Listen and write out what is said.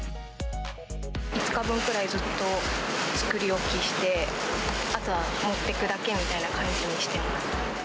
５日分ぐらいずっと作り置きして、あとは持ってくだけみたいな感じにしてます。